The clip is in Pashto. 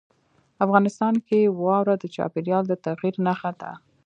افغانستان کې واوره د چاپېریال د تغیر نښه ده.